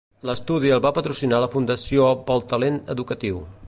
L'estudi el va patrocinar la Fundació pel Talent Educatiu.